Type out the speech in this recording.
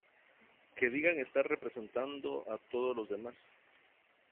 que digan estar representando a todos los demás